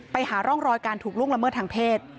ไปหาร่องรอยการถูกล่วงละเมิดทางเพศ